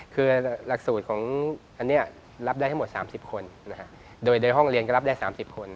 ซึ่งอันเนี้ยรับได้ทั้งหมดสามสิบคนนะฮะโดยโดยห้องเรียนก็รับได้สามสิบคน